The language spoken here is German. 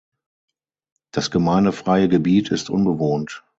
Das gemeindefreie Gebiet ist unbewohnt.